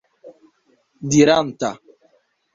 diranta